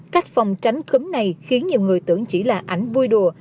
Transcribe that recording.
cách phòng tránh cúm này khiến nhiều người tưởng chỉ là ảnh vui đùa